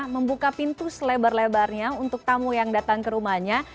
membuka pintu selebar lebarnya untuk tamu yang datang ke rumahnya